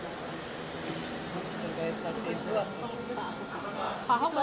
terkait saksi itu lah bu